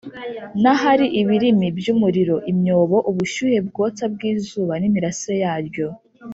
n’ahari ibirimi by’umuriro, imyobo, ubushyuhe bwotsa bw’izuba n’imirase yaryo